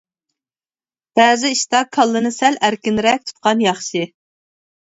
بەزى ئىشتا كاللىنى سەل ئەركىنرەك تۇتقان ياخشى.